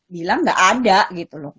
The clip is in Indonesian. bilang nggak ada gitu loh